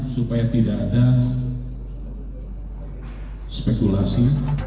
supaya tidak ada spekulasi